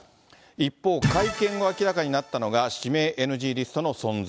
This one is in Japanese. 一方、会見後明らかになったのが、指名ＮＧリストの存在。